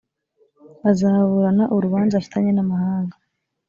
azaburana urubanza afitanye n’amahanga